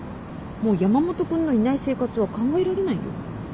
もう山本君のいない生活は考えられないよ。